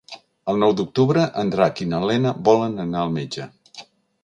El nou d'octubre en Drac i na Lena volen anar al metge.